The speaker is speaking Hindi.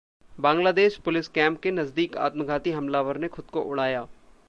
बांग्लादेश पुलिस कैंप के नजदीक आत्मघाती हमलावर ने खुद को उड़ाया